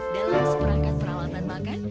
dalam seperangkat peralatan makan